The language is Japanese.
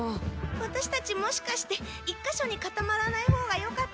ワタシたちもしかして１か所に固まらないほうがよかったんじゃない？